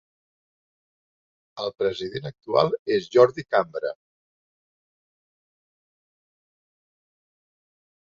El president actual és Jordi Cambra.